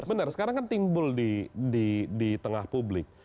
benar sekarang kan timbul di tengah publik